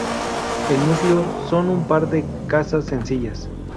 El núcleo son un par de casas sencillas.